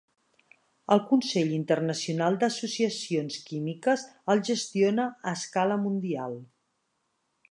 El Consell Internacional d'Associacions Químiques el gestiona a escala mundial.